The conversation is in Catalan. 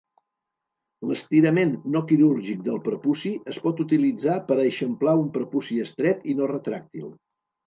L'estirament no quirúrgic del prepuci es pot utilitzar per eixamplar un prepuci estret i no retràctil.